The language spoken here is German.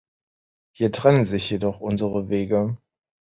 Hier trennen sich jedoch unsere Wege.